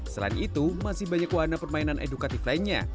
selain itu masih banyak wahana permainan edukatif lainnya